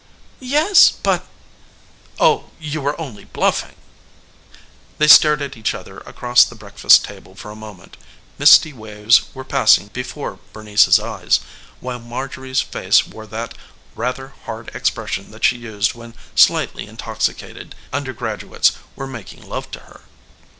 "Yes, but " "Oh, you were only bluffing!" They stared at each other across the breakfast table for a moment. Misty waves were passing before Bernice's eyes, while Marjorie's face wore that rather hard expression that she used when slightly intoxicated undergraduate's were making love to her.